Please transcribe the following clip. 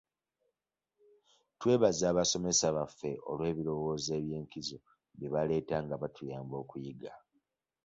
Twebaza abasomesa baffe olw'ebirowoozo eby'enkizo bye baleeta nga batuyamba okuyiga.